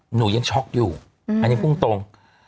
หนูยังช็อกอยู่ปรุงตรง